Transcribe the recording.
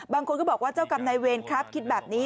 บางคนก็บอกว่าเจ้ากรรมนายเวรครับคิดแบบนี้